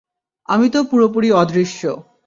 আমি তো পুরোপুরি অদৃশ্য।